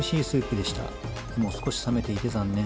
でも、少し冷めていて残念。